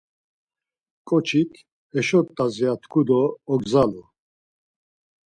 Ǩoçik, e heşo t̆as’ ya tku do ogzalu.